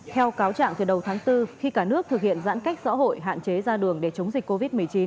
theo cáo trạng từ đầu tháng bốn khi cả nước thực hiện giãn cách xã hội hạn chế ra đường để chống dịch covid một mươi chín